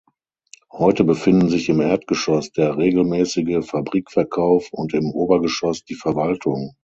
Heute befinden sich im Erdgeschoss der regelmäßige Fabrikverkauf und im Obergeschoss die Verwaltung.